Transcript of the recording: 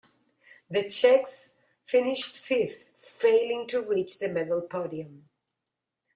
The Czechs finished fifth, failing to reach the medal podium.